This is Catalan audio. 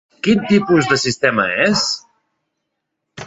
Quin tipus de sistema és?